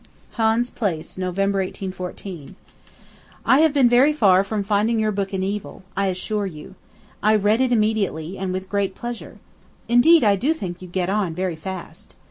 'Hans Place (Nov. 1814). 'I have been very far from finding your book an evil, I assure you. I read it immediately, and with great pleasure. Indeed, I do think you get on very fast.